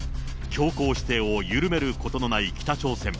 強硬姿勢を緩めることのない北朝鮮。